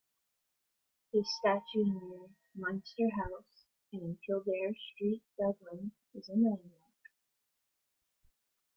His statue near Leinster House in Kildare Street, Dublin is a landmark.